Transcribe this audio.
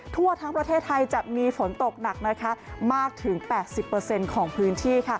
ทั่วทั้งประเทศไทยจะมีฝนตกหนักนะคะมากถึง๘๐ของพื้นที่